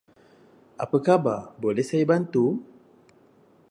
Apa khabar boleh saya bantu?